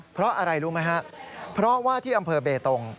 เพราะอะไรรู้ไหมครับเพราะว่าที่อำเภอเบตง